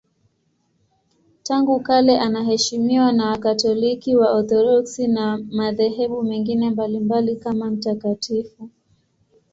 Tangu kale anaheshimiwa na Wakatoliki, Waorthodoksi na madhehebu mengine mbalimbali kama mtakatifu.